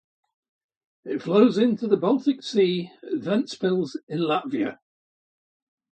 It flows into the Baltic Sea at Ventspils in Latvia.